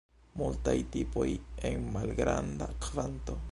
Multaj tipoj en malgranda kvanto.